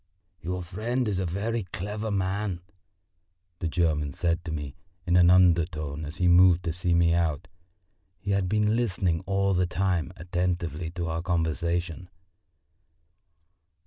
"Your friend a very clever man!" the German said to me in an undertone as he moved to see me out; he had been listening all the time attentively to our conversation.